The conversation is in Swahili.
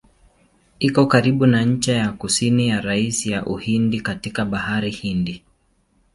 Iko karibu na ncha ya kusini ya rasi ya Uhindi katika Bahari Hindi.